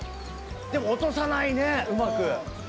でも落とさないねうまく。